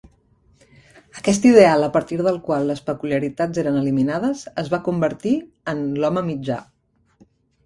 Aquest ideal a partir del qual les peculiaritats eren eliminades es va convertir en "l'home mitjà".